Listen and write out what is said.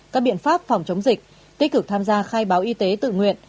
các biện pháp phòng chống dịch tích cực tham gia khai báo y tế tự nguyện